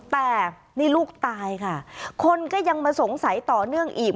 แต่นี่ลูกตายค่ะคนก็ยังมาสงสัยต่อเนื่องอีก